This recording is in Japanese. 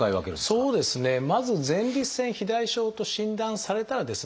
まず前立腺肥大症と診断されたらですね